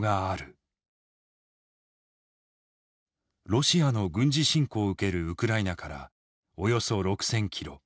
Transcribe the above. ロシアの軍事侵攻を受けるウクライナからおよそ６，０００ｋｍ。